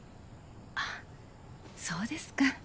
あそうですか。